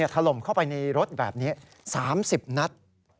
ถล่มเข้าไปในรถแบบนี้๓๐นัด